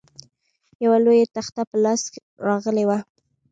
یوه لویه تخته په لاس راغلې وه.